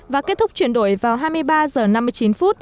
và kết thúc chuyển đổi vào hai mươi ba h năm mươi chín phút